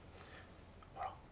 ほら。